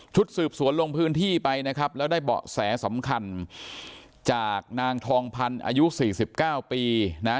สืบสวนลงพื้นที่ไปนะครับแล้วได้เบาะแสสำคัญจากนางทองพันธ์อายุ๔๙ปีนะ